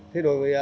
thế đối với